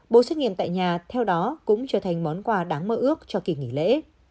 bộ xét nghiệm tại nhà theo đó cũng trở thành món quà đáng mơ ước cho kỳ nghỉ lễ